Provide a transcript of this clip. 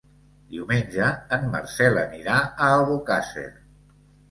Diumenge en Marcel anirà a Albocàsser.